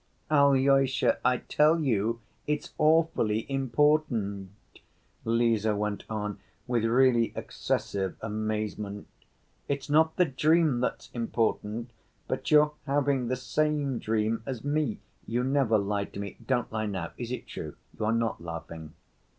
"Alyosha, I tell you, it's awfully important," Lise went on, with really excessive amazement. "It's not the dream that's important, but your having the same dream as me. You never lie to me, don't lie now: is it true? You are not laughing?"